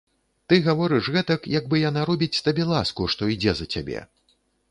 Ты гаворыш гэтак, як бы яна робіць табе ласку, што ідзе за цябе.